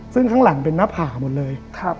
ซึ่งข้างหลังเป็นหน้าผากหมดเลย